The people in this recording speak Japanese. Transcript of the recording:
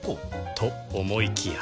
と思いきや